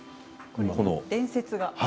伝説が。